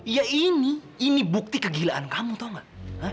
ya ini ini bukti kegilaan kamu tau gak